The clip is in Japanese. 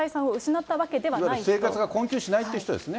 いわゆる生活が困窮しないという人ですね。